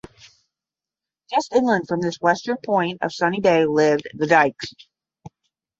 Just inland from this western point of Sunny Bay lived the Dykes.